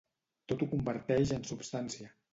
Tot ho converteix en substància.